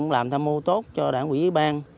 làm tham mưu tốt cho đảng quỹ dưới bang